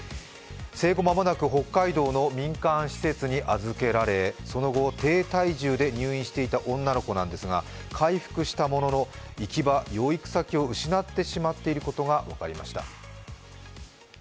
生後間もなく北海道の民間施設に預けられその後、低体重で入院していた女の子なんですが回復したものの行き場、養育先を失ってしまっていることが分かりました。